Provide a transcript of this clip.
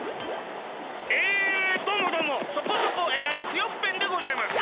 えどうもどうもそこそこえらいクヨッペンでございます。